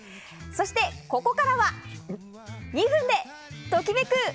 そして、ここからは２分でトキめく！